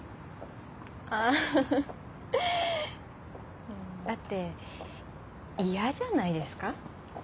あぁハハ。だって嫌じゃないですか？